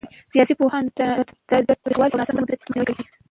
سیاسي پوهاوی د تاوتریخوالي او ناسم مدیریت مخنیوي کوي